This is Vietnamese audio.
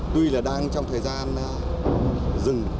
tuy là đang trong thời gian dừng